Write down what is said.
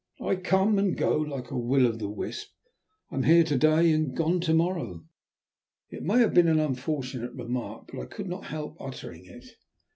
"I come and go like a Will o' the wisp; I am here to day and gone to morrow." It may have been an unfortunate remark, but I could not help uttering it.